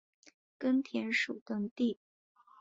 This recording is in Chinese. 根田鼠等地。